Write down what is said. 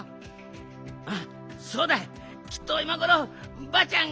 うんそうだきっといまごろばあちゃん